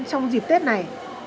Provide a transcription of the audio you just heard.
trong dịp tết này